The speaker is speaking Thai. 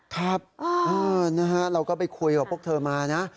ครับเราก็ไปคุยกับพวกเธอมานะ